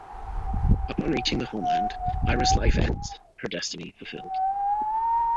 Upon reaching the homeland, Ira's life ends, her destiny fulfilled.